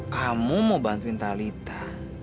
kamu mau bantuin talita